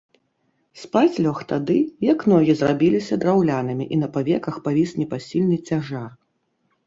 Спаць лёг тады, як ногі зрабіліся драўлянымі і на павеках павіс непасільны цяжар.